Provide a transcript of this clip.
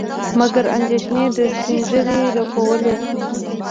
مګر اندېښنې د سپينږيري رپولې.